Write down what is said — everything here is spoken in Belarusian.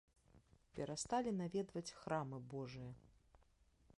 Перасталі наведваць храмы божыя.